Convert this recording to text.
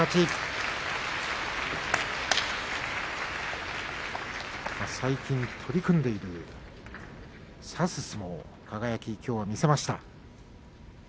拍手最近取り組んでいる差す相撲、輝きょうは見せました。